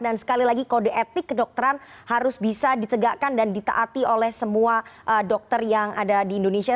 dan sekali lagi kode etik kedokteran harus bisa ditegakkan dan ditaati oleh semua dokter yang ada di indonesia